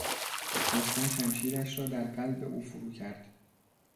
رستم شمشیرش را در قلب او فرو کرد.